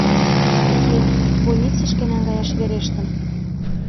— Уке, больницышке наҥгаяш верештын...